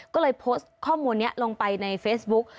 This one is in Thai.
ก็เลยโพสต์ข้อมูลนี้ลงไปในเฟซบุ๊ก